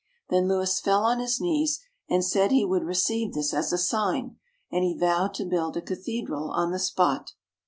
"Then Louis fell on his knees, and said he would receive this as a sign, and he vowed to build a cathedral on the spot.